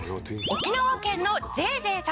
「沖縄県のＪＪさん」